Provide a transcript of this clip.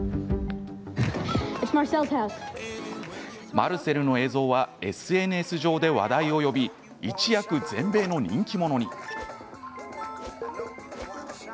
マルセルの映像はＳＮＳ上で話題を呼び一躍、全米の人気者に。